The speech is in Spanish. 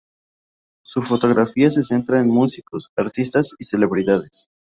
Su fotografía se centra en músicos, artistas y celebridades.